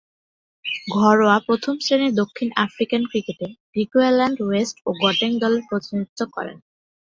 ঘরোয়া প্রথম-শ্রেণীর দক্ষিণ আফ্রিকান ক্রিকেটে গ্রিকুয়াল্যান্ড ওয়েস্ট ও গটেং দলের প্রতিনিধিত্ব করেন।